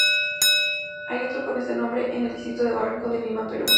Hay otro con este nombre en el distrito de Barranco, en Lima, Perú.